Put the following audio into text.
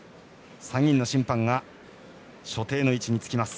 ３人の審判が所定の位置につきます。